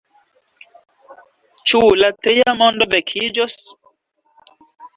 Ĉu la Tria Mondo vekiĝos?